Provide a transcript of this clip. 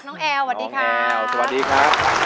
น้องแอวสวัสดีค่ะ